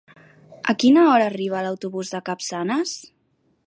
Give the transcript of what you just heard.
A quina hora arriba l'autobús de Capçanes?